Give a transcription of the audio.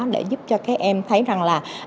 để giúp cho các em thấy rằng là